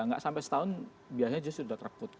tidak sampai setahun biasanya sudah terput